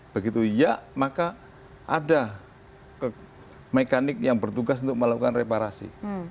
begitu ya maka ada mekanik yang bertugas untuk melakukan reparasi